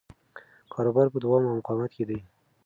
کاروبار په دوام او مقاومت کې دی.